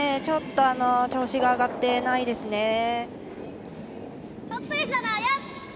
ちょっと調子が上がってないですね。